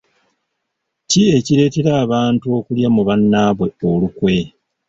Ki ekireetera abantu okulya mu bannaabwe olukwe?